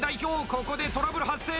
ここでトラブル発生！